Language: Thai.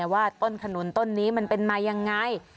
ว่าต้นขนุนต้นนี้มันเป็นมายังไง